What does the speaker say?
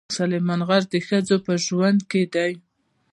سلیمان غر د ښځو په ژوند کې دي.